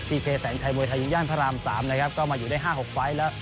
พีเคแสนชัยมวยไทยยินย่านพระราสามมาอยู่ได้๕๖ไฟม์แล้ว